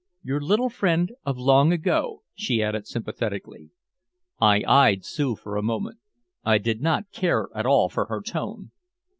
"Your little friend of long ago," she added sympathetically. I eyed Sue for a moment. I did not care at all for her tone.